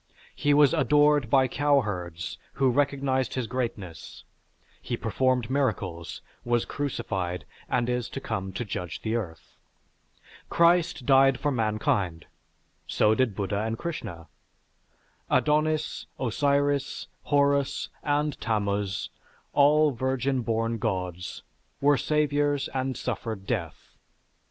He was adored by cowherds who recognized his greatness, he performed miracles, was crucified, and is to come to judge the earth. Christ died for mankind, so did Buddha and Krishna. Adonis, Osiris, Horus, and Tammuz, all virgin born gods, were saviors and suffered death.